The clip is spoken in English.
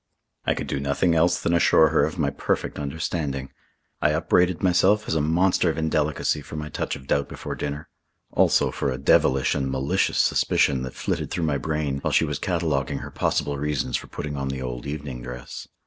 I could do nothing else than assure her of my perfect understanding. I upbraided myself as a monster of indelicacy for my touch of doubt before dinner; also for a devilish and malicious suspicion that flitted through my brain while she was cataloguing her possible reasons for putting on the old evening dress.